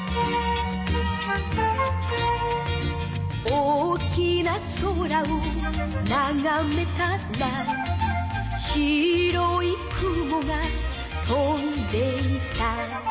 「大きな空をながめたら」「白い雲が飛んでいた」